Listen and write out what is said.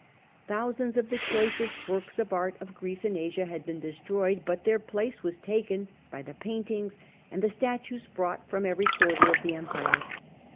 Thousands of the choicest works of art of Greece and Asia had been destroyed, but their place was taken by and fur paintings and the statues brought from nishedwith every quarter of the empire.